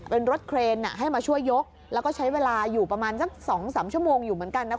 เป็นรถเครนให้มาช่วยยกแล้วก็ใช้เวลาอยู่ประมาณสัก๒๓ชั่วโมงอยู่เหมือนกันนะ